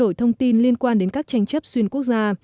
nhiều thông tin liên quan đến các tranh chấp xuyên quốc gia